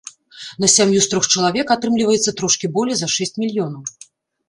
На сям'ю з трох чалавек атрымліваецца трошкі болей за шэсць мільёнаў.